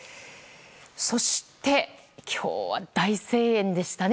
そして、今日は大声援でしたね